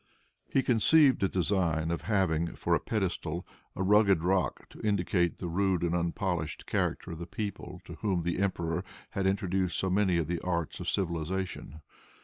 He conceived the design of having, for a pedestal, a rugged rock, to indicate the rude and unpolished character of the people to whom the emperor had introduced so many of the arts of civilization.